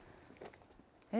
え？